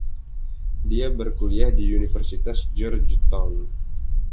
Dia berkuliah di Universitas Georgetown.